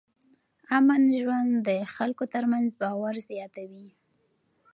امن ژوند د خلکو ترمنځ باور زیاتوي.